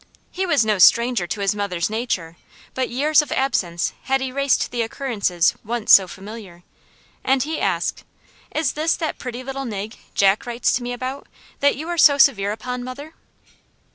He was no stranger to his mother's nature; but years of absence had erased the occurrences once so familiar, and he asked, "Is this that pretty little Nig, Jack writes to me about, that you are so severe upon, mother?"